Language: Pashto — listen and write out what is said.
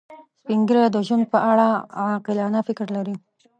سپین ږیری د ژوند په اړه عاقلانه فکر لري